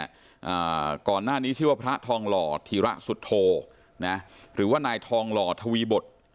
อ่าก่อนหน้านี้ชื่อว่าพระทองหล่อธีระสุโธนะหรือว่านายทองหล่อทวีบท